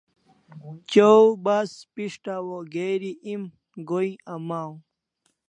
Chaw bas pishtaw o geri em go'in amaw